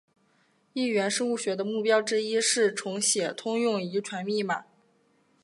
异源生物学的目标之一是重写通用遗传密码。